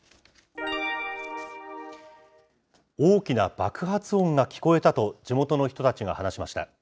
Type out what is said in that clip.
大きな爆発音が聞こえたと地元の人たちが話しました。